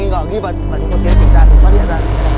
và ghi vật và cũng có kiểm tra để phát hiện ra